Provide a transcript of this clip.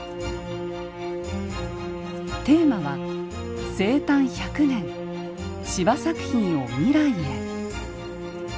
テーマは「生誕１００年司馬作品を未来へ」。